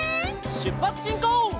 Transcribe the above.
しゅっぱつしんこう！